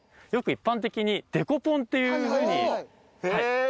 よく一般的にデコポンっていうふうに。